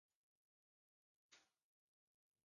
Kölden gick igenom allt det, som eljest värmer.